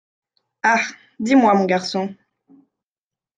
Ah ! dis-moi, mon garçon…